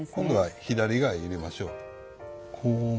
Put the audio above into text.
今度は左側へ入れましょう。